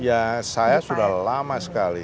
ya saya sudah lama sekali